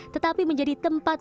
tetapi menjadi tempat